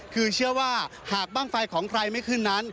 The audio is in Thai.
คือเชื่อว่าหากบ้างไฟของใครไม่ขึ้นนั้น